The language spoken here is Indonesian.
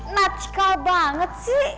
nacikal banget sih